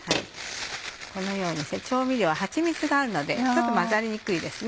このようにして調味料ははちみつがあるのでちょっと混ざりにくいです。